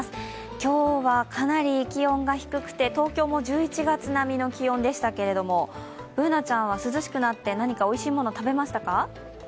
今日はかなり気温が低くて東京も１１月並みの気温でしたがＢｏｏｎａちゃんは涼しくなって何かおいしいもの食べましたか？